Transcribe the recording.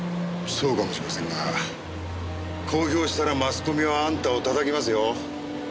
そうかもしれませんが公表したらマスコミはあんたを叩きますよ。